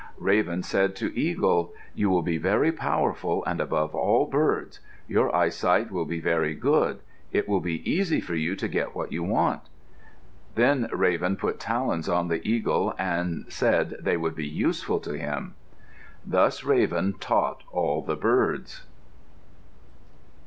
Raven said to Eagle, "You will be very powerful and above all birds. Your eyesight will be very good. It will be easy for you to get what you want." Then Raven put talons on the eagle and said they would be useful to him. Thus Raven taught all the birds.